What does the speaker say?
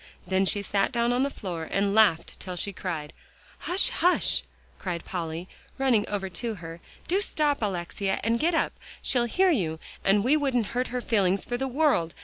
Then she sat down on the floor and laughed till she cried. "Hush hush!" cried Polly, running over to her, "do stop, Alexia, and get up. She'll hear you, and we wouldn't hurt her feelings for the world.